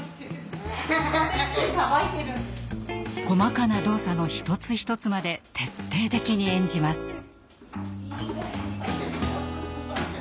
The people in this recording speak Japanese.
細かな動作の一つ一つまで徹底的に演じます。